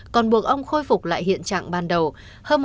còn buộc ông khôi phục lại hiện trạng ban đầu hơn một ba trăm linh ba m hai